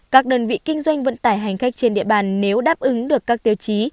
các đơn vị kinh doanh vận tải hành khách trên địa bàn nếu đáp ứng được các tiêu chí